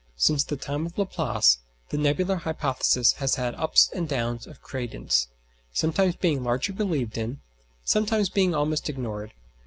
Since the time of Laplace the nebular hypothesis has had ups and downs of credence, sometimes being largely believed in, sometimes being almost ignored.